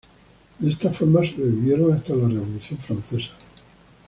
De esta forma, sobrevivieron hasta la Revolución Francesa.